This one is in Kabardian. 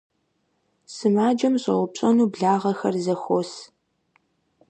Сымаджэм щӀэупщӀэну благъэхэр зэхуос.